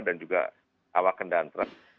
dan juga awak kendaraan truk